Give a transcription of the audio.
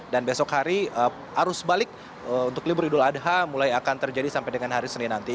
dan besok hari arus balik untuk libur idul adha mulai akan terjadi sampai dengan hari senin nanti